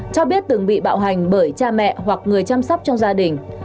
cho biết từng bị bạo hành bởi cha mẹ hoặc người chăm sóc trong gia đình